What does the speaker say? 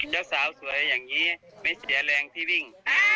เจ้าสาวสวยอย่างนี้ไม่เสียแรงที่วิ่ง